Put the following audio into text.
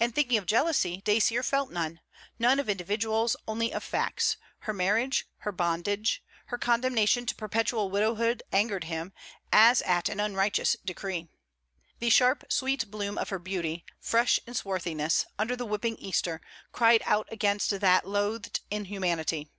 And thinking of jealousy, Dacier felt none; none of individuals, only of facts: her marriage, her bondage. Her condemnation to perpetual widowhood angered him, as at an unrighteous decree. The sharp sweet bloom of her beauty, fresh in swarthiness, under the whipping Easter, cried out against that loathed inhumanity.